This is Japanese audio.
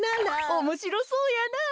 おもしろそうやなあ。